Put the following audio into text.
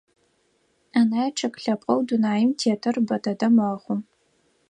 Анай чъыг лъэпкъэу дунаим тетыр бэ дэдэ мэхъу.